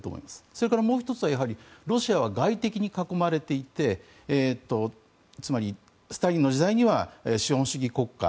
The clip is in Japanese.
それからもう１つはロシアは外敵に囲まれていてつまり、スターリンの時代には資本主義国家